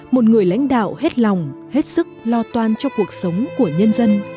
một người lãnh đạo hết lòng hết sức lo toan cho cuộc sống của nhân dân